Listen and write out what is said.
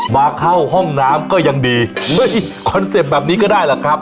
มาเข้าห้องน้ำก็ยังดีเฮ้ยคอนเซ็ปต์แบบนี้ก็ได้แหละครับ